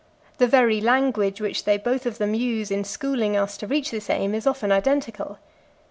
The very language which they both of them use in schooling us to reach this aim is often identical.